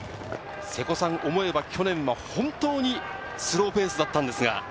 瀬古さん、思えば去年は本当にスローペースだったんですが。